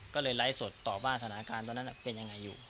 ก็เลยไลฟ์สดตอบว่าสถานการณ์ตอนนั้นเป็นยังไงอยู่